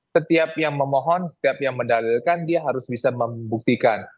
setiap yang memohon setiap yang mendalilkan dia harus bisa membuktikan